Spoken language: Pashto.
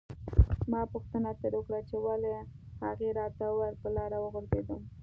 ما پوښتنه ترې وکړه چې ولې هغې راته وویل په لاره وغورځیدم.